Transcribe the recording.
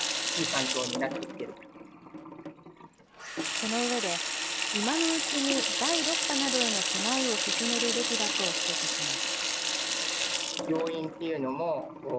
その上で、今のうちに第６波などへの備えを進めるべきだと指摘します。